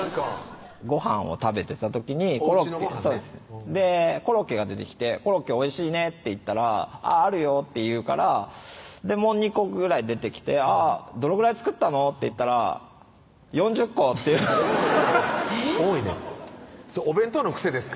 ごはんを食べてた時におうちのごはんねコロッケが出てきて「コロッケおいしいね」と言ったら「あぁあるよ」って言うからもう２個ぐらい出てきて「どのぐらい作ったの？」って言ったら「４０個」って多いねそれお弁当の癖ですか？